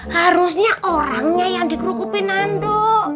harusnya orangnya yang di kerukupin ando